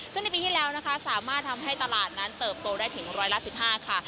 ซึ่งในปีที่แล้วนะคะสามารถทำให้ตลาดนั้นเติบโตได้ถึงร้อยละ๑๕ค่ะ